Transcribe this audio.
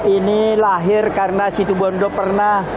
ini lahir karena situbondo pernah